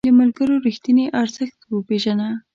د ملګرتیا رښتیني ارزښت پېژنه.